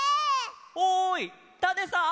おいタネさん？